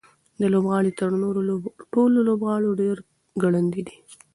دا لوبغاړی تر نورو ټولو لوبغاړو ډېر ګړندی دی.